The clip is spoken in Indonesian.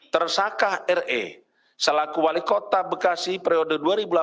tersangka re selaku wali kota bekasi periode dua ribu delapan belas dua ribu dua